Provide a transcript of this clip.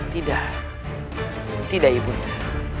tidak tidak ibunda